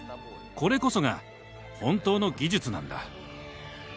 これこそが本当の「技術」なんだ。